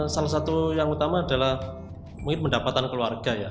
salah satu yang utama adalah mendapatkan keluarga ya